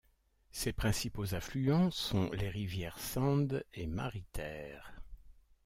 Ses principaux affluents sont les rivières Sand et Maritere.